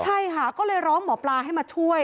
ใช่ค่ะก็เลยร้องหมอปลาให้มาช่วย